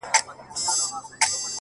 • که هر څو خلګ ږغېږي چي بدرنګ یم؛